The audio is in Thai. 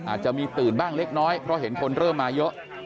อาจจะมีตื่นบ้างเล็กน้อยเพราะเห็นคนเริ่มมาเยอะ